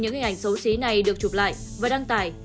những hình ảnh xấu xí này được chụp lại và đăng tải